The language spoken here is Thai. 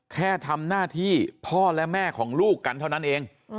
แค่ทำหน้าที่พ่อและแม่ของลูกกันเท่านั้นเอง